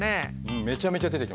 めちゃめちゃ出てきます。